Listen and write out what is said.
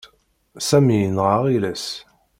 Sami yenɣa aɣilas.